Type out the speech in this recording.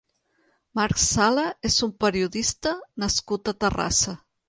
Marc Sala és un periodista nascut a Terrassa.